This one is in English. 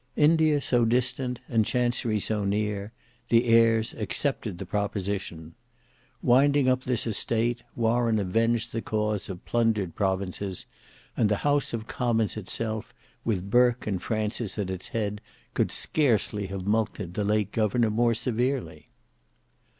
India so distant, and Chancery so near—the heirs accepted the proposition. Winding up this estate, Warren avenged the cause of plundered provinces; and the House of Commons itself, with Burke and Francis at its head, could scarcely have mulcted the late governor more severely.